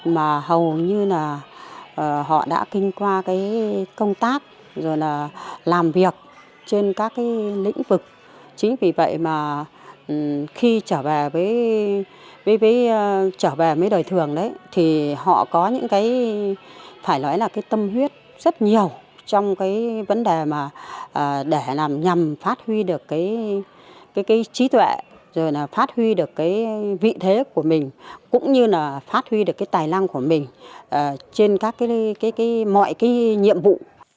phải nói là tâm huyết rất nhiều trong vấn đề để nhằm phát huy được trí tuệ phát huy được vị thế của mình cũng như phát huy được tài năng của mình trên mọi nhiệm vụ